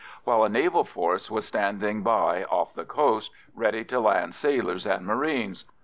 while a naval force was standing by off the coast ready to land sailors and marines.